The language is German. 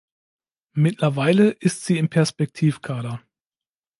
Mittlerweile ist sie im Perspektivkader.